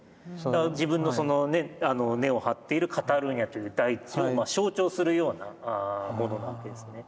自分のその根を張っているカタルーニャっていう大地をまあ象徴するようなものなんですね。